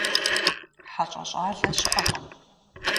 ХьэщӀэ щӀалэ щыӀэкъым.